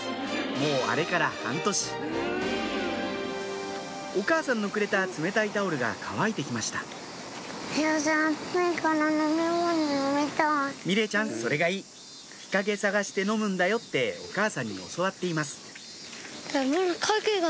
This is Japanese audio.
もうあれから半年お母さんのくれた冷たいタオルが乾いて来ました美玲ちゃんそれがいい日陰探して飲むんだよってお母さんに教わっています